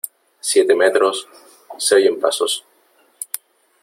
siete metros . se oyen pasos .